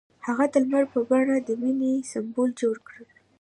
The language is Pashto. هغه د لمر په بڼه د مینې سمبول جوړ کړ.